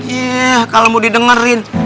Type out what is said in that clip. iya kalau mau didengerin